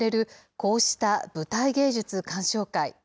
こうした舞台芸術鑑賞会。